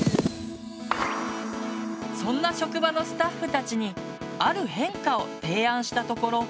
そんな職場のスタッフたちに「ある変化」を提案したところ